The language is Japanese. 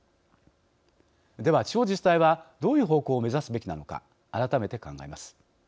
では、地方自治体はどういう方向を目指すべきなのか改めて考えます。